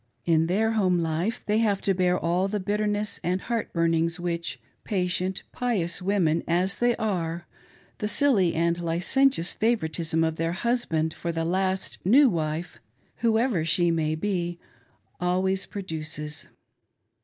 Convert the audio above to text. In their home life they have to bear all the bitterness and heartburnings which, patient, pious women as they are, the silly and licentious favoritism of their "husband" for the last new wife, whoever she may be, always produces.